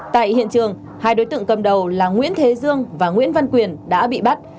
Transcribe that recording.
tại hiện trường hai đối tượng cầm đầu là nguyễn thế dương và nguyễn văn quyền đã bị bắt